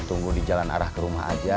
tunggu di jalan arah ke rumah aja